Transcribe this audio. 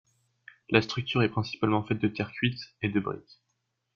La structure est principalement faite de terre cuite et de briques.